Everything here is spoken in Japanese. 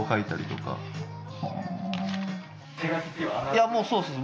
いやもうそうです。